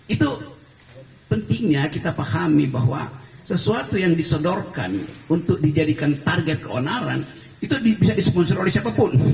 itu pentingnya kita pahami bahwa sesuatu yang disodorkan untuk dijadikan target keonaran itu bisa disponsor oleh siapapun